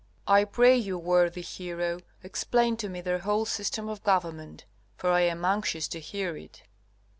I pray you, worthy hero, explain to me their whole system of government; for I am anxious to hear it.